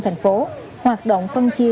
thành phố hoạt động phân chia